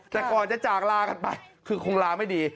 แต่ก่อนจะจากลากันไปคือคงลาไม่ดี